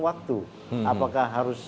waktu apakah harus